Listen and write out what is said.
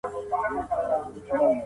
ډیپلوماسي د سولي لاره ده.